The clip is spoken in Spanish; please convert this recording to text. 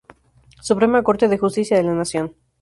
Suprema Corte de Justicia de la Nación.